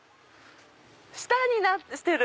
舌になってる！